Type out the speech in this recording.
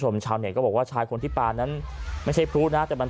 ชาวเน็ตก็บอกว่าชายคนที่ปานั้นไม่ใช่พลุนะแต่มัน